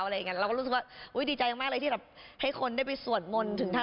เรารู้สึกว่าดีใจมากที่ให้คนส่วนมนต์ถึงท่าน